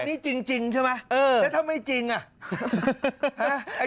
อันนี้จริงจริงใช่ไหมเออแล้วถ้าไม่จริงอ่ะฮ่าฮ่า